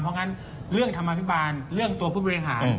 เพราะงั้นเรื่องธรรมภิบาลเรื่องตัวผู้บริหาร